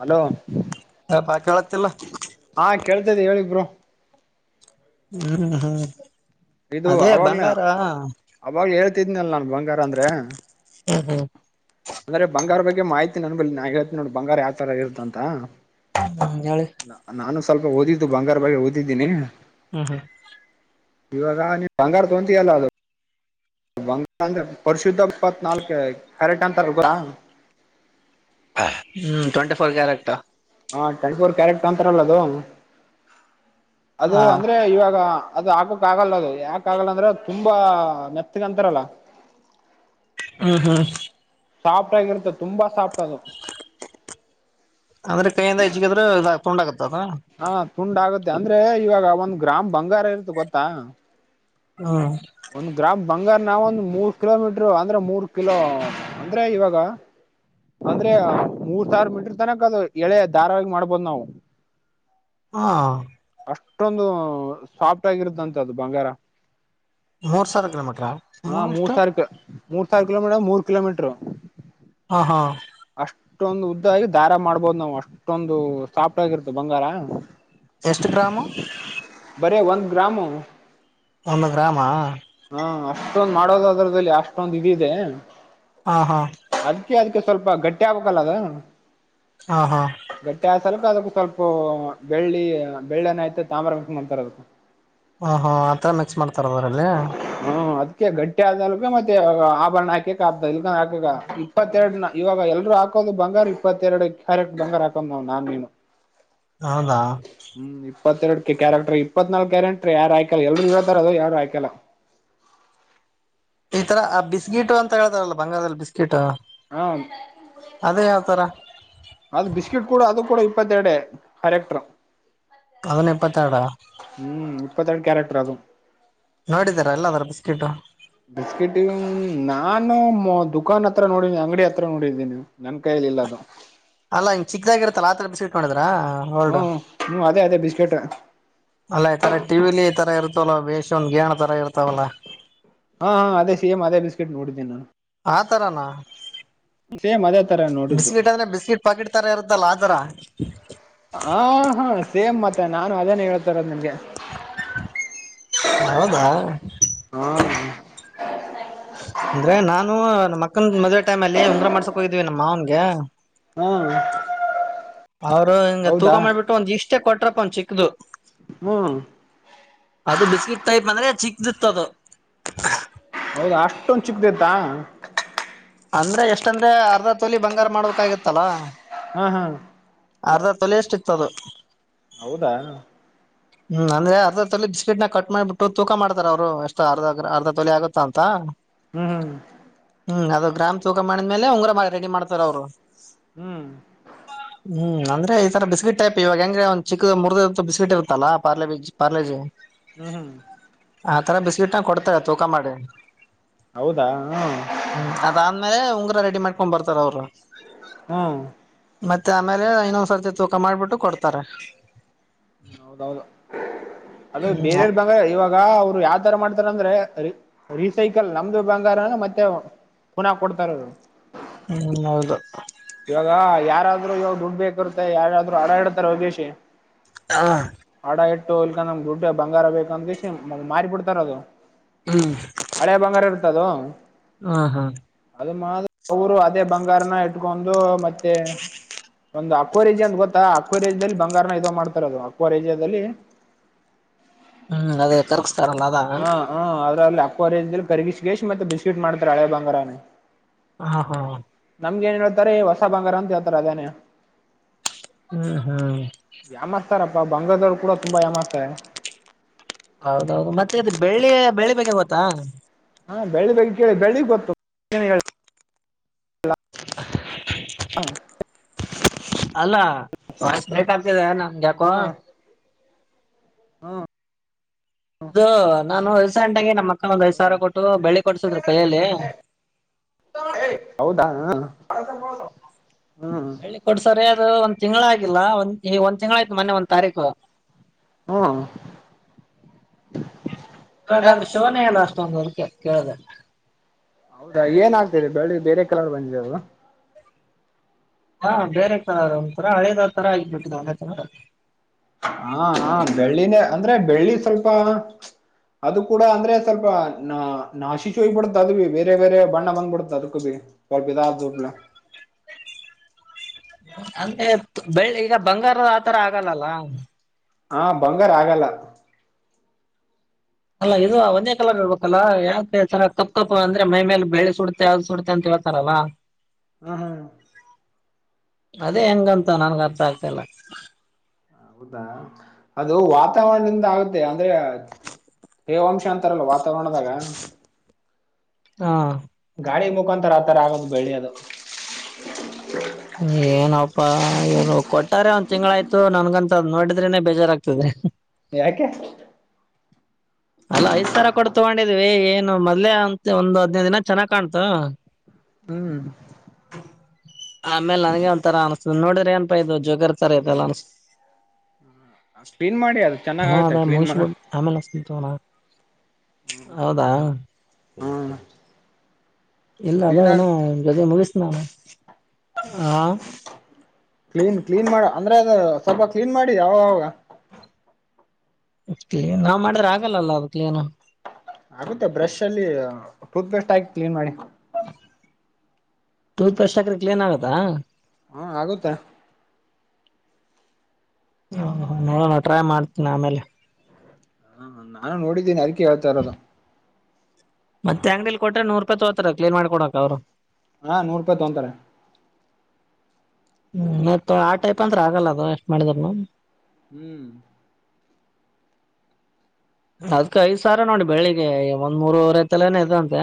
Hello ಅಪಾ ಕೇಳತ್ತಿಲ್ಲ ಹಾ ಕೇಳ್ತಾದೆ ಹೇಳಿ ಬ್ರೊ. ಹ್ಮ್ ಹ್ಮ್ ಇದು ಅದೇ ಅವಾಗ್ಲೆ ಬಂಗಾರ ಅವಾಗ್ ಹೇಳ್ತಿದನಲ್ಲ ನನ್ ಬಂಗಾರ ಅಂದ್ರೆ. ಹ್ಮ ಹ್ಮ ಅಂದ್ರೆ ಬಂಗಾರ ಬಗ್ಗೆ ಮಾಹಿತಿ ನನ್ ನಾ ಹೇಳ್ತೀನ್ ನೋಡ್ ಬಂಗಾರ ಯಾವ ತರ ಇರುತ ಅಂತ. ಹೇಳಿ. ನಾನು ಸ್ವಲ್ಪ ಓದಿದ್ದು ಬಂಗಾರ ಬಗ್ಗೆ ಓದಿದ್ದೀನಿ. ಹ್ಮ ಹಾ ಇವಾಗ ನೀ ಬಂಗಾರ ತೊಂತಿಯಲ್ಲ ಅದು ಬಂಗ ಅಂದ್ರೆ ಪರ್ಶುದ್ಧ ಇಪ್ಪತ್ನಾಲ್ಕ ಕ್ಯಾರೆಟ್ ಅಂತಾರ ಗೊತ್ತ ಹ ಹ್ಮ್ ಟ್ವೆಂಟಿ ಫೋರ್ ಕ್ಯಾರೆಕ್ಟ್. ಹಾ ಟ್ವೆಂಟಿ ಫೋರ್ ಕ್ಯಾರೆಟ್ ಅಂತಾರಲ್ಲ ಅದು ಅದು ಹಾ ಅಂದ್ರೆ ಇವಾಗ ಅದು, ಹಾಕಕ್ ಆಗಲ್ಲ! ಅದು ಯಾಕ ಆಗಲ್ಲ ಅಂದ್ರೆ? ತುಂಬಾ ಮೆತ್ತಗಂತಾರಲ್ಲ! [inaudible] ಹಾ, ಹಾ. [inaudible] ಸಾಫ್ಟ್, ಆಗಿರುತ್ತೆ! ತುಂಬಾ ಸಾಫ್ಟ್ ಆಗಿ? [inaudible] ಅವರ, ಕೈಯಿಂದ ಅಜ್ಜಿದರೆ, ಫೌಂಡ್ ಆಗುತ್ತಾ ಅದು? [inaudible] ಹಾ, ತುಂಡ ಆಗುತ್ತೆ! ಅಂದ್ರೆ ಇವಾಗ ಒಂದು ಗ್ರಾಮ್, ಬಂಗಾರ! ಇರುತ್ತೆ ಗೊತ್ತಾ? [inaudible] ಹ. [inaudible] ಒಂದ್, ಗ್ರಾಮ್ ಬಂಗಾರ! ನಾವು, ಒಂದು ಮೂರ್ ಕಿಲೋ ಮೀಟರು, ಅಂದ್ರೆ ಮೂರ್ ಕಿಲೋ? [inaudible] ಅಂದ್ರೆ, ಇವಾಗ? [inaudible] ಅಂದ್ರೆ, ಮೂರ್ ಸಾವಿರ ಮೀಟ್ರ! ತನಕ ಅದು ಎಳೆ, ಧಾರಾವಾಗಿ, ಮಾಡ್ಬೋದ್, ನಾವು? [unintelligible] ಹಾ. [inaudible] ಅಷ್ಟೊಂದು, ಸಾಫ್ಟ್, ಆಗಿರುತ್ತೆ, ಅಂತೇ, ಅದು ಬಂಗಾರ? [inaudible] ಮೂರ್ ಸಾವಿರ, ಕಿಲೋಮಿಟರ? [inaudible] ಹಾ, ಮೂರ್ ಸಾವಿರ, ಮೂರ್ ಸಾವಿರ ಕಿಲೋಮೀಟರ್, ಮೂರ್, ಕಿಲೋಮೀಟರು? [inaudible] ಹಾ, ಹಾ! [inaudible] ಅಷ್ಟೊಂದು, ಉದ್ದಾಗಿ! ದಾರ ಮಾಡ್ಬೋದು ನಾವು, ಅಷ್ಟು? [inaudible] ಅಷ್ಟೊಂದು, ಸಾಫ್ಟ್ ಆಗರುತ್ತ, ಬಂಗಾರ? [inaudible] ಎಷ್ಟು, ಗ್ರಾಮು? [unintelligible] ಬಾರೇ, ಒಂದು, ಗ್ರಾಮು. [unintelligible] ಒಂದು, ಗ್ರಾಮ? [unintelligible] ಹಾ, ಅಷ್ಟೊಂದ್ ಮಾಡೋದದ್ರದಲ್ಲಿ! ಅಷ್ಟೊಂದ್, ಇದಿದೆ? [inaudible] ಹಾ, ಹಾ! [inaudible] ಅದುಕೆ, ಅದ್ ಸ್ವಲ್ಪ, ಗಟ್ಟಿ ಆಗ್ಬೇಕಲ್ಲ ಅದು? [inaudible] ಹ, ಹಾ! [inaudible] ಗಟ್ಟೆ, ಅಕ್ಷಾಲ, ಸ್ವಲ್ಪ! ಅದಕ್ಕ ಸ್ವಲ್ಪ, ಬೆಳ್ಳಿ, ಬೆಳ್ಳನ, ತಗೊಂಡ್ ಬಾರಬೇಕು, ಅಂತಾರೆ ಅದಕ್ಕೆ? [unintelligible] ಹ, ಹ, ಆತರ, ಮಿಕ್ಸ್! ಮಾಡ್ತಾರ, ಊರಲ್ಲಿ? [inaudible] ಹ್ಮ, ಅದ್ಕ ಗಟ್ಟಿ ಆದಲ್ಗ, ಮತ್ತೆ, ಆಭರಣ ಹಾಕಕ್ಕ ಆಗ್ತ, ಇ ಹಾಕ? [inaudible] ಇಪ್ಪತ್ತೆರಡ್, ನ, ಇವಾಗ! ಎಲ್ರುೂ ಹಾಕೋದು, ಬಂಗಾರ, ಇಪ್ಪತ್ತೆರಡು, ಕ್ಯಾರೆಟ್ ಬಂಗಾರ, ಹಾಕೊಂಡ್, ನಾವ್, ನಾನ್, ನೀನು? [inaudible] ಹೌದಾ! [inaudible] ಹ್ಮ್, ಇಪ್ಪತ್ತೆರಡ್! ಕ್ಯಾರೆಕ್ಟರ್, ಇಪ್ಪತ್ತನಾಲ್ಕು, ಕ್ಯಾರೆಕ್ಟರ್, ಯಾರು ಹಾಕಿಲ್ಲ, ಎಲ್ಲರೂ, ಇರೋ ಬರೋ ಯಾರು ಹಾಕಿಲ್ಲ? [inaudible] ಈ, ತರ ಬಿಸ್ಕೀಟು! ಅಂತ, ಹೇಳ್ತಾರಲ್ಲ ಬಂಗಾರದಲ್ಲಿ, ಬಿಸ್ಕಿಟ್? [inaudible] ಹಾ. ಅದೇ [unintelligible] ಯಾವ್ತರ ಅದು, ಬಿಸ್ಕಿಟ್, ಕೂಡ! ಅದು, ಕೂಡ ಇಪ್ಪತ್ತೆರಡೆ, ಕರೆಕ್ಟರ್? [inaudible] ಅದನ್ನು, ಇಪ್ಪತ್ತೆರಡು, ಅ? [inaudible] ಹ್ಮ್, ಇಪ್ಪತ್ತೆರಡು, ಕ್ಯಾರೆಕ್ಟರ್ ಅದು? [inaudible] ನೋಡಿದರಲ್ಲ! Hour biscuit? [inaudible] ಬಿಸ್ಕಿಟ, ನಾನು ದುಖಾನ್ ಹತ್ರ ನೋಡಿದಿನಿ ಅಂಗಡಿ, ಹತ್ರ ನೋಡಿದ್ದೀನಿ? [unintelligible] ನಮ, ಕೈಯಲಿ ಇಲ್ಲ ಅದು? [inaudible] ಅಲ್ಲ, ಹಿಂಗ ಚಿಕ್ಕದಾಗಿರುತ್ತಲಾ, ಅತರ, ಬಿಸ್ಕೆಟ್ ನೋಡಿದರ? [inaudible] ಹ್ಮ, ಅದೇ, ಅದೇ, ಬಿಸ್ಕೆಟೆ? [inaudible] ಅಲ್ಲ, ಈ ತರ ಟಿವಿಲಿ, ಇತರ ಇರ್ತವಲ್ಲ ಬೇಸ್ ಒಂದ್ ಗಾನ ತರ ಇರ್ತವಲ್ಲ? [unintelligible] ಹಾ, ಹಾ, ಅದೇ! ಸೇಮ, ಅದೇ, ಬಿಸ್ಕೆಟ್, ನೋಡಿದೀನಿ ನಾನು? [inaudible] ಆತರನಾ? [inaudible] ಸೇಮ್ ಅದೇ ತರ ನೋಡಿದ್ದು ಬಿಸ್ಕಿಟ್, ಅಂದ್ರೆ! ಬಿಸ್ಕಿಟ್, ಪಾಕಿಟ್, ತರ ಇರುದತ್ತಲ್ಲ, ಆತರ? [inaudible] ಹ, ಹಾ, ಸೇಮ್, ಮತ್ತೆ, ನಾನು ಅದೇನೆ, ಹೇಳ್ತಾ ಇರೋದು ನಿಮ್ಗೆ? [inaudible] ಹೌದಾ! [unintelligible] ಹ, ಹಾ. [unintelligible] ಅಂದ್ರೆ, ನಾನು, ನಮ್ಮಕ್ಕನ್ ಮದುವೆ, ಟೈಮ್ ಅಲ್ಲಿ ಉಂಗರ ಮಾಡ್ಸಕ್ ಹೋಗಿದೀವಿ ನಮ್ಮ ಮಾವನಿಗೆ? [inaudible] ಹಾ ಅವರು, ಹಿಂಗ ತೂಕ ಹೌದಾ ಮಾಡ್ಬಿಟ್ಟು! ಒಂದ್ ಇಷ್ಟೇ ಕೊಟ್ರಪ್ಪ, ಒಂದ ಚಿಕ್ಕದು? [inaudible] ಹ್ಮ್. [inaudible] ಅದು, ಬಿಸ್ಕಿಟ್ ಟೈಪ್! ಅಂದ್ರೆ, ಚಿಕ್ಕದು ಇತ್ತು ಅದು? [inaudible] ಹೌದ ಅಷ್ಟೊಂದು ಚಿಕ್ದತ್ತಾ. ಅಂದ್ರೆ ಎಷ್ಟಂದ್ರೆ ಅರ್ಧ ತೋಲಿ ಬಂಗಾರ ಮಾಡ್ಬೇಕಾಗಿತ್ತಲ್ಲಾ. ಹ್ಮ ಹ್ಮ ಅರ್ಧ ತೊಲೆ ಅಷ್ಟು ಇತ್ತದು ಹೌದಾ ಹ್ಮ್ ಅಂದ್ರೆ ಅರ್ಧ ತೊಲಿ ಬಿಸ್ಕಿಟ್ನ ಕಟ್ ಮಾಡಿಬಿಟ್ಟು ತೂಕ ಮಾಡ್ತಾರ ಅವ್ರು ಎಷ್ಟು ಅರ್ಧ ಅರ್ಧ ತೊಲಿ ಆಗುತ್ತ ಅಂತ. ಹ್ಮ್ ಹ್ಮ್ ಹ್ಮ್ ಅದು ಗ್ರಾಮ್ ತೂಕ ಮಾಡಿದ್ಮೇಲೆ ಉಂಗರ ಮಾಡ ರೆಡಿ ಮಾಡ್ತಾರ ಅವ್ರು. ಹ್ಮ್ ಹ್ಮ್ ಅಂದ್ರೆ ಈ ತರ ಬಿಸ್ಕೆಟ್ ಟೈಪ್ ಇವಾಗ ಹೆಂಗೆ ಒಂದು ಚಿಕ್ ಮುರ್ದಡಿರ್ತ್ ಬಿಸ್ಕೆಟ್ ಇರುತ್ತೆ. ತಾಲ್ಲಾ ಪಾರ್ಲೆಬಿ ಪಾರ್ಲಜೆ ಹ್ಮ್ ಹ್ಮ್ ಆ ತರ ಬಿಸ್ಕಿಟ್ನ ಕೊಡ್ತಾರೆ ತೂಕ ಮಾಡಿ. ಹೌದಾ ಹ್ಮ್ ಹ್ಮ್ ಅದಾದ್ಮೇಲೆ ಉಂಗುರ ರೆಡಿ ಮಾಡ್ಕೊಂಡ್ ಬರ್ತಾರ ಅವರು. ಹ್ಮ್ ಮತ್ತೆ ಆಮೇಲೆ ಇನ್ನೊಂದ್ಸರ್ತಿ ತೂಕ ಮಾಡ್ಬಿಟ್ಟು ಕೊಡ್ತಾರೆ. ಹೌದೌದು ಅದು ಹ್ಮ್ ಬೇರೆೆ ಬ ಇವಾಗ ಅವ್ರು ಯಾವ್ತರ ಮಾಡ್ತಾರ ಅಂದ್ರೆ ರಿಸೈಕಲ್ ನಮ್ದು ಬಂಗಾರನ ಮತ್ತೆ [unintelligible] ಪುನಃ ಕೊಡ್ತಾರರು ಹ್ಮ್ ಹೌದು ಇವಾಗ ಯಾರಾದ್ರು ಇವಾಗ ದುಡ್ಡು ಬೇಕಿರುತ್ತೆ ಯಾರಾದ್ರು ಅಡಾಡ್ತಾರೆ ಹೋಗೆಸಿ ಹಾ ಹಡ ಇಟ್ಟು ಇಲ್ಕಂದಮ್ ದುಡ್ ಬಂಗಾರ ಬೇಕ ಅಂತ ಮಾರಿ ಬಿಡ್ತಾರ ಅದು ಹ್ಮ್ ಹಳೆ ಬಂಗಾರ ಇರ್ತದು ಹಾ ಹಾ ಅದ ಮಾ ಅವರು ಅದೇ ಬಂಗಾರನ ಇಟ್ಕೊಂಡು ಮತ್ತೆ ಒಂದ ಅದು ಅಕ್ ಕ್ವೇರಿಜೆಯಲ್ಲಿಅಂತ ಗೊತ್ತಾ ಅಕ್ವೇರಿಯೆಯಲ್ಲಿ ಬಂಗಾರ ಇದು ಮಾಡ್ತಾರೆ ಹ್ಮ್ ಅದು ಕರ್ಸ್ತಾರಲ್ಲ ಹಾ ಹ್ಮ ಅದ್ರ ಅಲ್ಲಿ ಅಕ್ಕ ರ ಕರಿಗಿಸ ಗೇಶ್ ಮತ್ತೆ ಬಿಸ್ಕಿಟ್ ಮಾಡ್ತಾರೆ ಹಳೆ ಬಂಗಾರಾನೇ ಹಾ ಹಾ ನಮ್ಗೆ ಏನ್ ಹೇಳ್ತಾರೆ ಹೊಸ ಬಂಗಾರ ಅ ಹೇತಾರೆ ಅದೇನೆ ಏನಂತಾರೆ ಹೊಸ ಬಂಗಾರ ಅಂತ ಹೇಳ್ತಾರೆ ಅದನ್ನೇ ಹ್ಮ್ ಹ್ಮ್ ವ್ಯಾಮಸ್ತಾರಪ್ಪ ಬಂಗಳದವರ್ರು ಕೂಡ ತುಂಬಾ ಯಾಮರಿಸ್ತಾರೆ ಹೌದೌದು ಮತ್ತೆ ಅದು ಬೆಳ್ಳಿ ಬಗ್ಗೆ ಗೊತ್ತಾ ಹಾ ಬೆಳ್ಳಿ ಬಗ್ಗೆ ಕೇಳಿನಿ ಬೆಳ್ಳಿ ಬಗ್ಗೆ ಗೊತ್ತು ಹಾ ಹಾಂ ಅಲ್ಲ ವಾಯ್ಸ್ ಬ್ರೇಕ್ ಆಗ್ತಿದೆ ನ ಯಾಕೋ ಹಾ ಹಾ ಇದು ನಾನು ರೀಸೆಂಟ್ ಆಗಿ ನಮ್ಮ್ ಅಕ್ಕ ಒಂದ್ ಐದ ಹೌದಾ ಸಾವಿರ ಕೊಟ್ಟು ಬೆಳ್ಳಿ ಕೊಡ್ಸಿದ್ರು ಕೈಯಲ್ಲಿ ಹೌದಾ ಹ ಹ್ಮ್ ಕೊಡ್ಸರಿ ಅದು ಒಂದ್ ತಿಂಗಳಗಿಲ್ಲ ಒಂದ್ ತಿಂಗಳ ಆಾಯ್ತು ಇಂದು ಒಂದ ತಾರೀಕು ಹಾ ಕದ ಶಿವನಲ್ಲ ಅಷ್ಟೊಂದು ಕೇಳದ ಹೌದಾ ಏನ್ ಆಗ್ತಿದೆ ಬೆಳ್ಳಿ ಗೆ ಬೇರೆ ಕಲರ್ ಬಂದಿದೆ ಯಾ ಹಾ ಬೇರೆ ಒಂತರ ಹಳೆದ ಆ ತರ ಆಗಿಬಿಟ್ಟಿದೆ ಹಾ ಹಾ ಬೆಳ್ಳಿನೇ ಅಂದ್ರೆ ಬೆಳ್ಳಿ ಸ್ವಲ್ಪ ಅದು ಕೂಡ ಅಂದ್ರೆ ಸ್ವಲ್ಪ ನ ನಾಶಿಶ ಹಯ್ಬಿಡುತ್ತ ಅದು ಬಿ ಬೇರೆ ಬೇರೆ ಬಣ್ಣ ಬಂದ್ಬಿಡತ ಅದಕ್ [unintelligible] ಬೆಳ್ಳಿ ಈಗ ಬಂಗಾರ ಆತರ ಆಗಲ್ಲಲ್ಲ ಹ ಬಂಗಾರ ಆಗಲ್ಲ ಅಲ್ಲ ಇದು ಒಂದೇ ಕಾಲರ್ ಹೇಳ್ಬೇಕಲ್ಲಾ ಯಾವೆ ಕಪ್ಪ ಕಪ್ ಅಂದ್ರೆ ಮೈ ಮೇಲೆ ಬೆಳಿ ಸುಡತೆೆ ಅದು ಸುಡತೆೆ ಅಂತ ಹೇಳ್ತಾರಲ್ಲ ಹಾ ಹಾ ಹಾ ಅದೇ ಹೆಂಗಂತ ನನ್ನಗ ಅರ್ಥ ಆಗ್ತಲ್ಲ ಹೌದಾ ಅದು ವಾತಾವರಣದಿಂದ ಆಗುತ್ತೆ ಅಂದ್ರೆ ತೇವಂಶ ಅಂತಾರಲ್ಲೊ ವಾತಾವರಣದಾಗ ಹಾ ಗಾಳಿ ಮುಖಾಂತರ ಆ ತರ ಆಗೋದು ಬೆಳ್ಳಿ ಅದು ಏನಪ್ಪಾ ಇವ್ರು ಕೊಟ್ಟ ಆಗ್ಲೇ ಒಂದ್ ತಿಂಗಳಾಯ್ತು ನನ್ಗಂತ ನೋಡಿದ್ರೆನೆೇ ಬೇಜಾರಾಗಗ್ತದೆ ಯಾಕೆ ಅಲ್ಲಾ ಐದ್ ಸಾವಿರ ಕೊಡ್ ತಗೊಂಡಿದ್ವಿ ಏನು ಮೊದ್ಲೆೇ ಅಂತ ಒಂದು ಹದಿನೈದು ದಿನ ಚೆನ್ನಾಗ್ ಕಾಣ್ತು [inaudible] ಹ್ಮ್ [inaudible] ಆಮೇಲೆ ನನಗೆ ಒಂತರ ಅನ್ಸ್ತದೆ. ನೋಡಿದ್ರ ಏನಪಾ ಇದು ಜೊಗರ್ ತರ ಇದೆಲ್ಲ ಅನ್ಸ್ತದೆ. ಹ್ಮ ಕ್ಲೀನ್ ಮಾಡಿ ಅದು ಚೆನ್ನಾಗ ಏನೋ ಆಗತ್ತೆ ಅದ ಕ್ಲೀನ್ ಮಾಡ ಮುಗಿಸ್ಬಿಡ್ ಆಮೇಲೆ ಹಚ್ಚತೀನಿ ತೊ [unintelligible] ಹೌದಾ ಹ್ಮ್ ಇಲ್ಲ ಅದಾ ಕ್ಲೀನ್ ಇನ ಆಗ ಜೊತೆ ಮುಗಿಸ [unintelligible] ಹ ಕ್ಲೀನ್ ಕ್ಲೀನ್ ಮಾಡ ಅಂದ್ರೆ ಅದು ಸ್ವಲ್ಪ ಕ್ಲೀನ್ ಮಾಡಿ ಅವಾಗವಾಗ. ಕ್ಲಿನ ನಾವ್ ಮಾಡಿದ್ರೆ ಆಗಲ್ಲ ಅದ ಕ್ಲಿನು. ಆಗುತ್ತೆ ಬ್ರಷ್ ಅಲ್ಲಿ ಟೂತ್ ಪೇಸ್ಟ್ ಆಕಿ ಕ್ಲೀನ್ ಮಾಡಿ. ಟೂತ ಬ್ರಶ ಆಕಿದ್ರ ಕ್ಲಿನ್ ಆಗತ್ತಾ. ಹು ಆಗುತ್ತೆ. ಹ ನೋಡೋಣ ಟ್ರೈ ಮಾಡ್ತೀನ ಆಮೇಲೆ. ಹ ನಾನ ನೋಡಿದ್ದೀನಿ ಅದಕೆ ಹೇಳತಾ ಇರೋದು ಮತ್ತ ಅಂಗಡಿಲಿ ಕೊಟ್ರೆ ನೂರ ರೂಪಾಯ ತಗೋತಾರ ಕ್ಲಿನ್ ಮಾಡಿ ಕೊಡಕ್ ಅವರು. ಹಾ ನೂರು ರೂಪಾಯ ತೊಂತಾರೆ. ಹ್ಮ್ ಮತ್ ಆ ಟೈಪ್ ಅಂದ್ರ ಆಗಲ್ಲ ಅದು ಎಷ್ಟ್ ಮಾಡಿದ್ರೂನು. ಹ್ಮ್ ಅದ್ಕ ಐದ್ ಸಾವರ ನೋಡಿ ಬೆಳಿಗ್ಗೆ ಒಂದ್ ಮೂರ್ವರ ತೆಲ್ಲನೇ ಇದೆ ಅಂತೆ.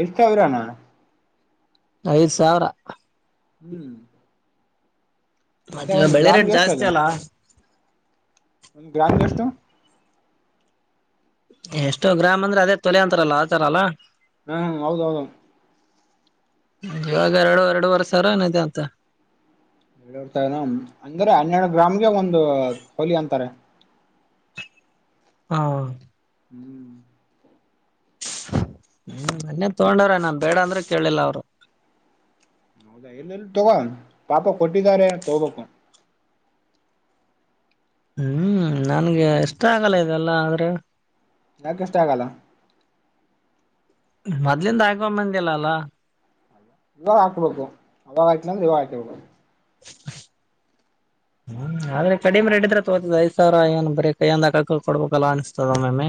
ಐದ ಸಾವಿರನ ಐದ್ ಸಾವಿರ ಹ್ಮ್ ಮತ್ತೆ ಒಂದ್ ಬೆಳ್ಳಿ ರೇಟ್ ಗ್ರಾಮ್ಗೆ ಎಷ್ಟು ಜಾಸ್ತಿ ಅಲ್ಲಾ ಒಂದು ಗ್ರಾಮ್ಗೆ ಎಷ್ಟು ಎಷ್ಟೋ ಗ್ರಾಮ ಅಂದ್ರೆ ಅದೇ ತೊಲೆ ಅಂತಾರಲ್ಲ ಆತರ ಅಲ್ಲ. ಹ್ಮ್ ಹೌದ ಹೌದು ಇವಾಗ ಎರಡು ಎರಡುವರೆ ಸಾವಿರ ಏನ ಇದೆ ಅಂತೆ. ಎ ಅಂದ್ರ ಹನ್ನೆರಡು ಗ್ರಾಮ್ಗೆ ಒಂದು ತೊಲಿ ಅಂತಾರೆ ಹೌದ ಹ್ಮ್ ಹ್ಮ ಮೊನ್ನೆ ತಗೊಂಡರ ಅವ್ರು ನಾನ್ ಬೇಡ ಅಂದ್ರ ಕೇಳಲಿಲ್ಲ ಅವ್ರು ಹೌದಾ ಎಲ್ಲ ತಗೋ ಪಾಪ ಕೊಟ್ಟಿದ್ದಾರೆ ಅ ತಗೋಬೇಕು ಹ್ಮ್ ನನ್ಗೆ ಇಷ್ಟ ಆಗಲ್ಲ ಇದೆಲ್ಲ ಆದ್ರೆ ಯಾಕ ಇಷ್ಟ ಆಗಲ್ಲ ಮೊದ್ಲಿಿಂದ ಆಕೊಂಬಂದಿಲ್ಲ ಅಲ್ಲಾ ಇವಾಗ ಹಾಕ್ಬೇಕು ಅವಾಗ ಆಕಿಲ್ಲ ಅಂದ್ರೆ ಇವಾಗ ಹಾಕಬೇಕು [inaudible] ಹ್ಮ್ ಆದ್ರೆ ಕಡಿಮೆ ರೇಟಿದ್ರೆ ತೋತದ ಐದ್ ಸಾವರ ಏನ್ ಬರೆ ಕೈಯಂದ ಹಕೊಬೇಕ ಅಲ್ಲ ಅನ್ಸ್ತದ ಒಮಮ್ಮೆ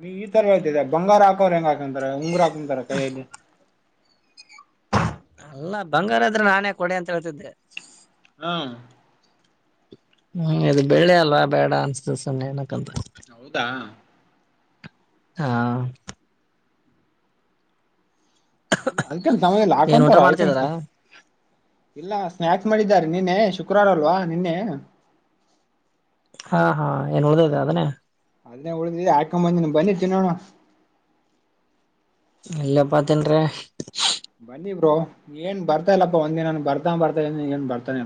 ನೀ ಈ ತರ ಹೇಳ್ತಿದ್ದಿದೆ ಬಂಗಾರ ಹಾಕೋರ ಹೆಂಗ ಹಾಕೊಂತಾರೆ ಉಂಗರು ಹಾಕಂತ ಕೈಯಲ್ಲಿ ಅಲ್ಲಾ ಬಂಗಾರದ್ರೆ ನಾನೇ ಕೊಡೆ ಅಂತ ಹೇಳ್ತಿದ್ದೆ ಹಾ ಹ್ಮ್ ಇದು ಬೆಳಿ ಅಲ್ಲ ಬೇಡ ಅನ್ಸ್ತ ಸಣ ಏನಕ್ಕಂತ ಹೌದಾ ಹಾ ಅದಕೇನ ಸಂಬಂಧಇಲ್ಲ ಏನ್ ಊಟ ಆಕ್ಯಾಂತರ ಅದಕೇನ ಮಾಡ್ತಿದಾರಾ ಸಂಬ ಇಲ್ಲ ಸ್ನಾಕ್ಸ ಮಾಡಿದ್ದಾರೆ ನಿನ್ನೆ ಶುಕ್ರವಾರ ಅಲ್ವಾ ನಿನ್ನೆ ಹಾ ಹಾ ಏನ್ ಉಳ್ದಅದೆ ಮನೆಗ ಅದನ್ನೇ ಉಳಿದಿ ಹಾಕೊ ಬಂದಿನಿ ಬನ್ನಿ ತಿನ್ನೋಣ ಇಲ್ಲ ಪಾ ತಿನ್ರಿ ಬನ್ನಿ ಬ್ರೋ ಏನ್ ಬರ್ತಾ ಇಲ್ಲಪ್ಪಾ ಒಂದಿನಾನ ಬರ್ತಾ ಬರ್ತಾ ಏನ್ ಬರ್ತಾನೆ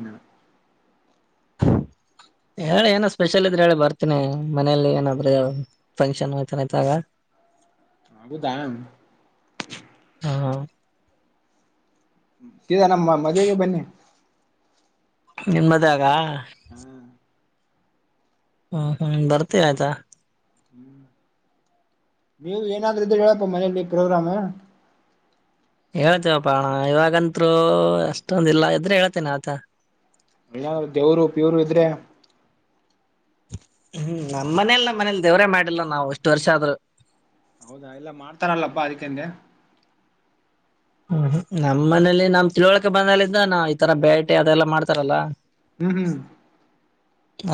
ಹೇಳಿ ಏನ ಸ್ಪೆಷಲ್ ಇದ್ರೆ ಹೇಳಿ ಬರ್ತೀನಿ ಮನೇಲಿ ಏನಾದ್ರೂ ಫಂಕ್ಷನ್ಂನ್ಐ್ದಾಗ ಹಗುದಾಮ ಹಾ ಹ ಇದ ನಮ್ಮ ಮದುವೆಗೆ ಬನ್ನಿ ನಿನ್ಮ್ಮದ ಆಾಗ ಹ್ಮ ಹ್ಮ್ ಹ್ಮ್ ಬರ್ತ ಆಯ್ತಾ ಹ್ಮ್ ನೀವು ಏನಾಗ್ರ್ರ ಹೇಳಕ ಮನೇಲಿ ಪ್ರೋಗ್ರಾಮ್ ಹೇಳ್ತೇವಪ್ಪ ಅಣ್ಣ ಇವಾಗತ್ೂ ಅಷ್ಟೊಂದ ಇಲ್ಲ ಇದ್ರೆ ಹೇಳ್ತೇನೆ ಆತ ಇಲ್ಲ ದೇವ್ರು ಪಿಯವರು ಇದ್ರೆ ಹ್ಮ್ ನಮ್ಮ್ನೇಲ್ಲ ನ ಮನೇಲಿ ದೇವರೇ ಮಾಡಿಲ್ಲ ನಾವು ಎಷ್ಟು ವರ್ಷ ಆದ್ರರು ಹೌದಾ ಎಲ್ಲ ಮಾಡ್ತಾರಲ್ಲಪ್ಪಾ ಅದಕ್ಕೆಂದೆ ಹ್ಮ್್ಮ್ ನಮಮ್ಮ ಮನೇಲಿ ನಮ್ ತಿಳುವಳಿಕೆ ಬಂದಲಿಂದ ನಾವ್ ಈ ತರ ಬೇಟೆ ಅದೆಲ್ಲಾ ಮಾಡ್ತಾರಲ್ಲಾ ಹ್ಮ್ ಹ್ಮ್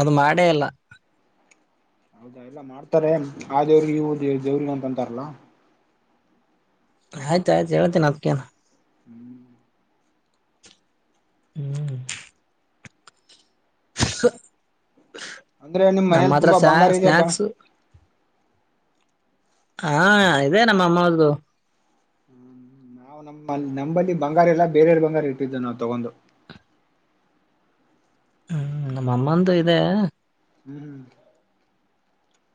ಅದು್ ಮಾಡೇ ಅಲ್ಲ ಹೌದಾ ಎಲ್ಲ ಮಾಡ್ತಾರೆ ಆ ದೇವ್ರಿಗೆ ಇವು ದ ದೇವ್ರಿಗೆ ಅಂತ ಅಂತಾರಲ್ಲ ಆಯ್ತಾಯಯ್ು ಹೇತನ ಅದ್ೇನ ಹ್ಮ್ ಹ್ಮ್ ಅಂದ್ರೆ ನಿಮ್ ನಮ್ಮ ಮನೇಲಿ ಹತ್ರ ತುಂಬಾ ಸ ಬಂಗಾರ ಇದೆಯಪ್ಪಾ ಸ್ನಾಯಕ್ಸ್ ಹಾ ಇದೆ ನಮ್ಮ ಅಮ್ಮ ಅವ್ರ್ದು ನಾವು ನಮ್ಮ ನಂಬಲ್ಲಿ ಬಂಗಾರ ಎಲ್ಲ ಬೇರೆರೆ ಬಂಗಾರ ಇಟ್ಟಿದ್ದು ನಾವವು ತಗೊಂಡು ಹ್ಮ್ ನಮ್ಮ ಅಮ್ಮಂತೂ ಇದೆ ಹ್ಮ್್ಮ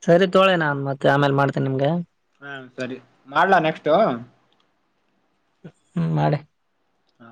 ಸರಿ ತೊಳೆ ನನ್ ಮತ್ತೆ ಆಮೇಲೆ ಮಾಡ್ತೇನೆಿ ನಿಮ್ಗೆ ಹಾ ಸರಿ ಮಾಡ್ಲಾ ನೆಕ್ಸ್ಟ್ು ಹ್ಮ್ ಮಾಡೆ ಹಾ